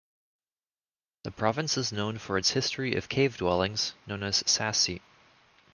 The province is known for its history of "cave dwellings" known as "sassi".